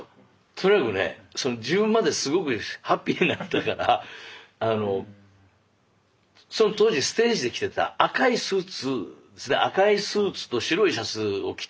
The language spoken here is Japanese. とにかくね自分まですごくハッピーになったからその当時ステージで着てた赤いスーツですね赤いスーツと白いシャツを着て行ったんですよ。